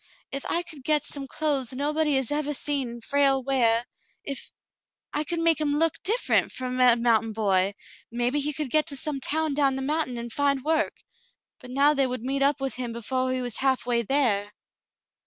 If I could get some clothes nobody has evah seen Frale weah — if — I could make him look different from a mountain boy, maybe he could get to some town down the mountain, and find work ; but now they would meet up with him before he was halfway there."